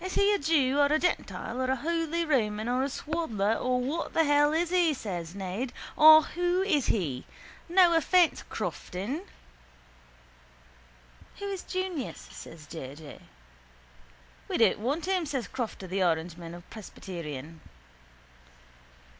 —Is he a jew or a gentile or a holy Roman or a swaddler or what the hell is he? says Ned. Or who is he? No offence, Crofton. —Who is Junius? says J. J. —We don't want him, says Crofter the Orangeman or presbyterian.